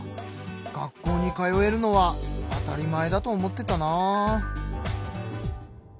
学校に通えるのは当たり前だと思ってたな。